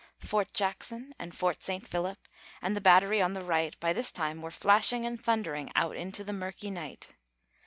Fort Jackson and Fort Saint Philip, And the battery on the right, By this time were flashing and thundering Out into the murky night.